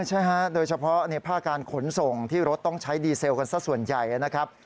ใช่ฮะโดยเฉพาะในภาคการขนส่งที่รถต้องใช้ดีเซลกันสักส่วนใหญ่นะครับ